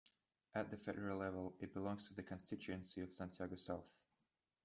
At the federal level, it belongs to the constituency of Santiago South.